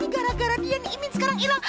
gara gara dia nih imin sekarang hilang